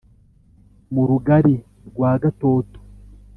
mu rugali rwa gatoto